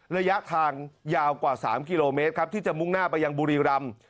ระยะทางยาวกว่า๓กิโลเมตรครับที่จะมุ่งหน้าไปยังบุรีรำ